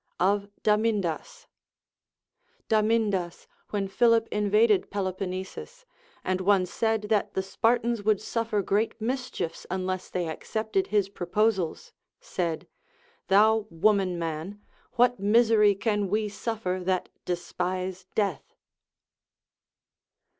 Of Damindas. Damindas, Avhen Philip invaded Peloponnesus, and one said that the Spartans would suffer great mischiefs unless they accepted his proposals, said, Thou woman man, what misery can we suffer that despise death